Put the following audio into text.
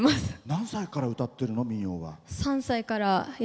何歳から歌ってるの？